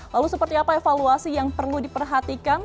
lalu seperti apa evaluasi yang perlu diperhatikan